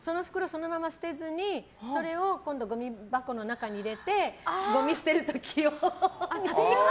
そのまま捨てずにそれを今度ごみ箱の中に入れてごみを捨てる時用に。